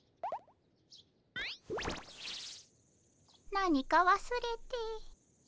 何かわすれて。